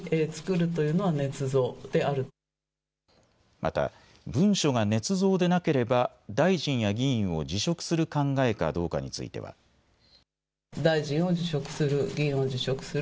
また文書がねつ造でなければ大臣や議員を辞職する考えかどうかについては。立憲民主党からは。